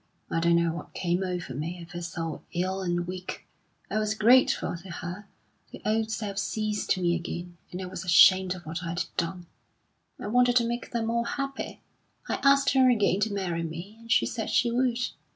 I don't know what came over me, I felt so ill and weak. I was grateful to her. The old self seized me again, and I was ashamed of what I'd done. I wanted to make them all happy. I asked her again to marry me, and she said she would.